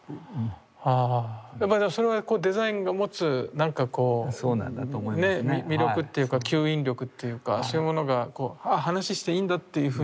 やっぱりそれはデザインが持つ何かこう魅力というか吸引力というかそういうものが話していいんだっていうふうに思わせる。